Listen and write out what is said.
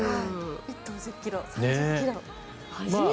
１頭１０ｋｇ、３０ｋｇ。